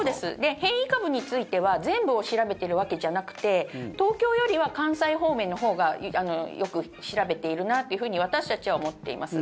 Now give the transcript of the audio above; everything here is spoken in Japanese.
変異株については全部を調べているわけじゃなくて東京よりは関西方面のほうがよく調べているなっていうふうに私たちは思っています。